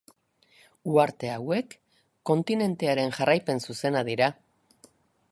Uharte hauek kontinentearen jarraipen zuzena dira.